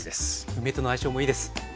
梅との相性もいいです。